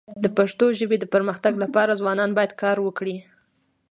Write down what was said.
د پښتو ژبي د پرمختګ لپاره ځوانان باید کار وکړي.